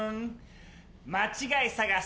間違い探し